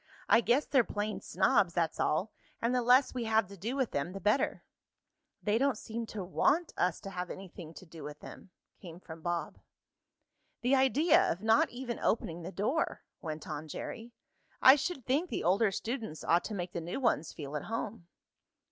"I guess they're plain snobs, that's all, and the less we have to do with them the better." "They don't seem to want us to have anything to do with them," came from Bob. "The idea of not even opening the door," went on Jerry. "I should think the older students ought to make the new ones feel at home."